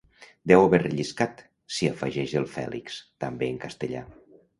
Deu haver relliscat —s'hi afegeix el Fèlix, també en castellà.